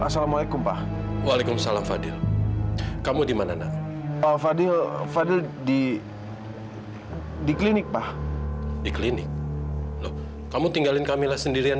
sampai jumpa di video selanjutnya